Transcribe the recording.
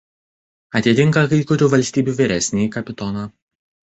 Atitinka kai kurių valstybių vyresnįjį kapitoną.